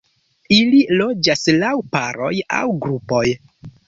Ili loĝas laŭ paroj aŭ grupoj.